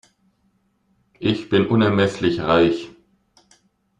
Ich bin unermesslich reich.